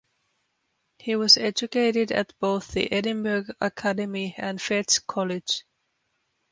He was educated at both the Edinburgh Academy and Fettes College.